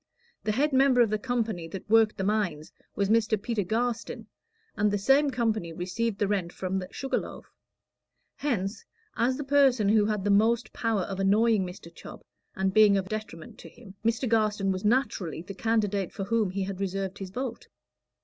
The head member of the company that worked the mines was Mr. Peter Garstin, and the same company received the rent from the Sugar Loaf. Hence, as the person who had the most power of annoying Mr. Chubb, and being of detriment to him, Mr. Garstin was naturally the candidate for whom he had reserved his vote.